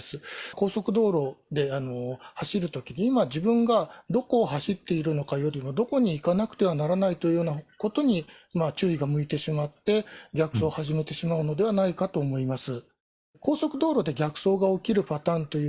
高速道路で走るときに、今自分がどこを走っているのかよりも、どこに行かなくてはならないというようなことに注意が向いてしまって、逆走を始めてしまうのではないかと思います。